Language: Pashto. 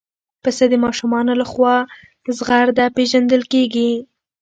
پسه د ماشومانو لخوا زغرده پېژندل کېږي.